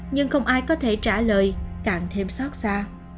nhưng không ai có thể trả lời càng thêm xót xa